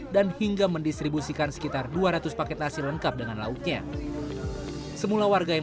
dan hingga mendistribusikan sekitar dua ratus paket nasi lengkap dengan lauknya semula warga yang